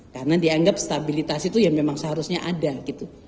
karena dianggap stabilitas itu yang memang seharusnya ada gitu